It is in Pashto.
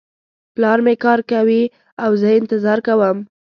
پلار مې کار کوي او زه یې انتظار کوم